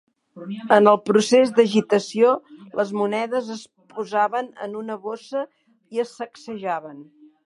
En el procés d'agitació, les monedes es posaven en una bossa i es sacsejaven